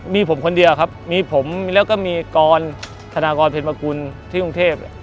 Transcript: มีผมคนเดียวครับมีผมแล้วก็มีกรธนากรเพ็ญมกุลที่กรุงเทพ